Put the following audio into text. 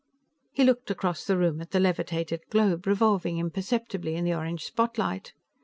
He looked across the room at the levitated globe, revolving imperceptibly in the orange spotlight.